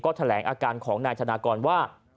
แถลงอาการของนายธนากรว่า